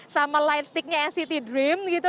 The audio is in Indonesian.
sama lightstick nya nct dream gitu